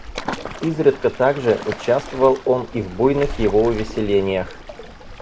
Изредка также, участвовал он и в буйных его увеселениях.